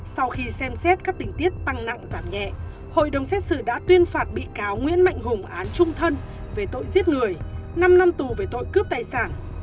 sau khi xem xét các tình tiết tăng nặng giảm nhẹ hội đồng xét xử đã tuyên phạt bị cáo nguyễn mạnh hùng án trung thân về tội giết người năm năm tù về tội cướp tài sản